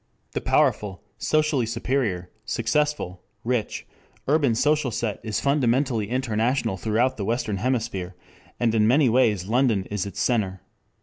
The powerful, socially superior, successful, rich, urban social set is fundamentally international throughout the western hemisphere, and in many ways London is its center.